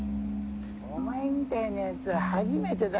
お前みたいなやつは初めてだよ。